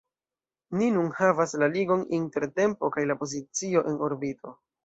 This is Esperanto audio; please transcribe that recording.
Ni nun havas la ligon inter tempo kaj la pozicio en orbito.